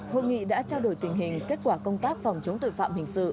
hội nghị đã trao đổi tình hình kết quả công tác phòng chống tội phạm hình sự